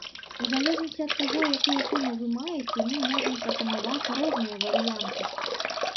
У залежнасці ад таго, якую суму вы маеце, мы можам прапанаваць розныя варыянты.